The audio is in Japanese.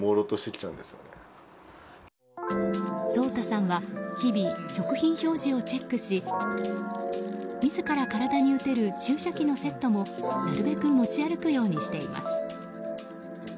颯汰さんは日々、食品表示をチェックし自ら体に打てる注射器のセットもなるべく持ち歩くようにしています。